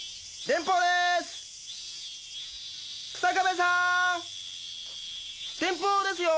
電報ですよ！